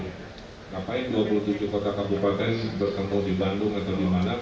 mencapai dua puluh tujuh kota kabupaten bertemu di bandung atau di mana